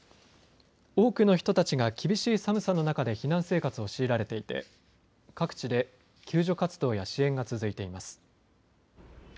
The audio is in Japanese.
多くの人たちが厳しい寒さの中で避難生活を強いられていて各地で救助活動や支援が続いています。